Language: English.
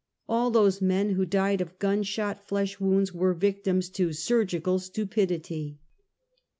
All those men who died of gun shot flesh wounds were victims to surgical stupidity. 260 Half a Centuey.